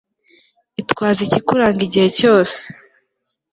Itwaze ikikuranga igihe cyose